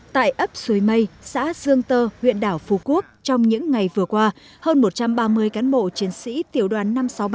tại ấp suối mây xã dương tơ huyện đảo phú quốc trong những ngày vừa qua hơn một trăm ba mươi cán bộ chiến sĩ tiểu đoàn năm trăm sáu mươi ba